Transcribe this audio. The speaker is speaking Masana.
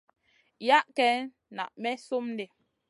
Yah ken na may slum di.